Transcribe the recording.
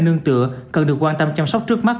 nương tựa cần được quan tâm chăm sóc trước mắt